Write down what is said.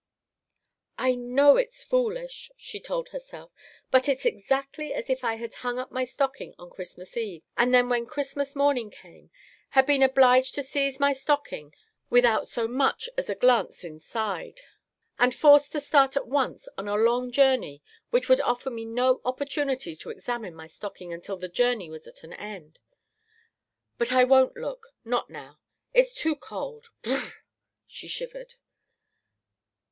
"I know it's foolish," she told herself, "but it's exactly as if I had hung up my stocking on Christmas Eve, and then when Christmas morning came, had been obliged to seize my stocking without so much as a glance inside, and forced to start at once on a long journey which would offer me no opportunity to examine my stocking until the journey was at an end. But I won't look; not now. It's too cold. Brr r," she shivered.